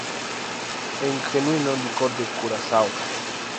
El Genuino Licor de Curazao.